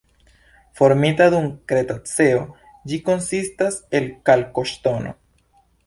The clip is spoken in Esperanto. Formita dum Kretaceo, ĝi konsistas el kalkoŝtono.